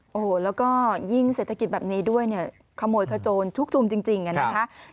โอ้โหแล้วก็ยิ่งเศรษฐกิจแบบนี้ด้วยเนี่ยขโมยขโจรชุกชุมจริงนะคะ